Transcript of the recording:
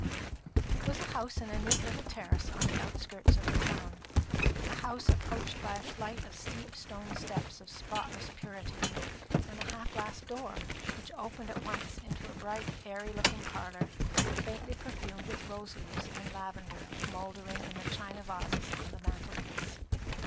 It was a house in a neat little terrace on the outskirts of the town; a house approached by a flight of steep stone steps of spotless purity, and a half glass door, which opened at once into a bright airy looking parlour, faintly perfumed with rose leaves and lavender mouldering in the china vases on the mantelpiece.